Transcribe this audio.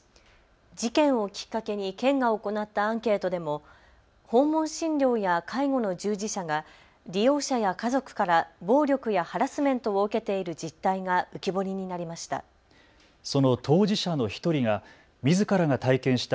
事件をきっかけに県が行ったアンケートでも訪問診療や介護の従事者が利用者や家族から暴力やハラスメントを受けている実態が浮き彫りになりました。